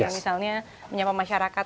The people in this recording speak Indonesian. misalnya menyapa masyarakat